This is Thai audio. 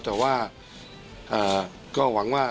แต่ว่าก็หวังว่า